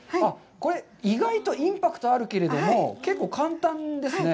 これ意外とインパクトあるけれども、結構簡単ですね。